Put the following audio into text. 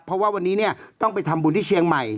เพราะวันนี้ต้องไปทำบุญที่เชียงใหม่